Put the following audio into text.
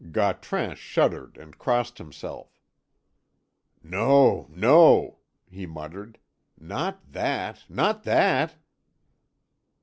Gautran shuddered and crossed himself. "No, no," he muttered; "not that not that!"